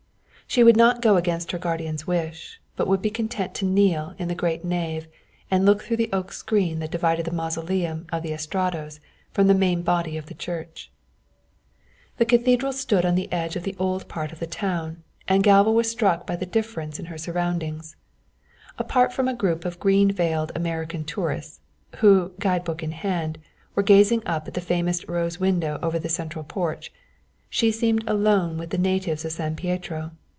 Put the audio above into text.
She would not go against her guardian's wish, but would be content to kneel in the great nave and look through the oak screen that divided the mausoleum of the Estratos from the main body of the church. The cathedral stood on the edge of the old part of the town, and Galva was struck by the difference in her surroundings. Apart from a group of green veiled American tourists, who, guide book in hand, were gazing up at the famous rose window over the central porch, she seemed alone with the natives of San Pietro.